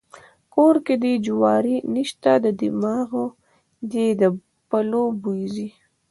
کور کې دې جواري نسته د دماغه دې د پلو بوی ځي.